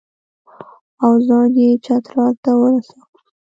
او ځان یې چترال ته ورساوه.